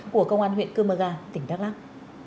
của công an huyện cơ mơ gà tỉnh đắk lăng